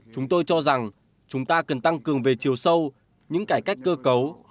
chúng tôi cho rằng chúng ta cần tăng cường về chiều sâu những cải cách cơ cấu